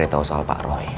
saya mau cerita soal pak roy